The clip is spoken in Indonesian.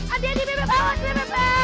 adi adi beb bawas deh beb